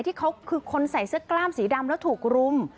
ที่เขาคือคนใส่เสื้อกล้ามสีดำแล้วถูกรุม